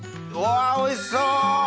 うわおいしそう！